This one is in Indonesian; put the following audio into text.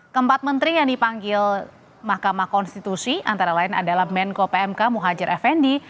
keempat menteri yang dipanggil mahkamah konstitusi antara lain adalah menko pmk muhajir effendi